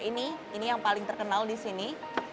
ini ini yang paling terkenal di sini